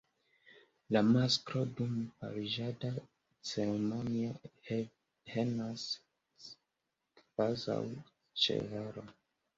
La masklo dum pariĝada ceremonio henas kvazaŭ ĉevalo.